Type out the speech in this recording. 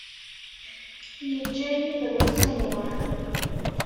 Iǧǧa-yi d lmeṣnuɛ.